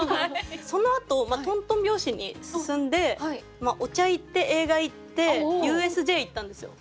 そのあとトントン拍子に進んでお茶行って映画行ってＵＳＪ行ったんですよ。